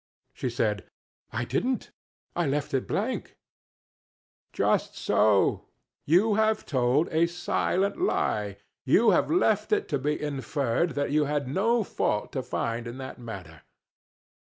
She said, "I didn't; I left it blank!" "Just so you have told a silent lie; you have left it to be inferred that you had no fault to find in that matter."